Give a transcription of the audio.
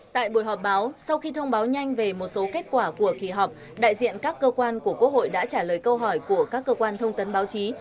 tại buổi họp báo sau khi thông báo nhanh về một số kết quả của kỳ họp đại diện các cơ quan của quốc hội đã trả lời câu hỏi của các cơ quan thông tấn báo chí